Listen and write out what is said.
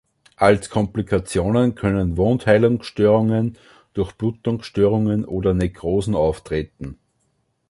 Als Komplikationen können Wundheilungsstörungen, Durchblutungsstörungen oder Nekrosen auftreten.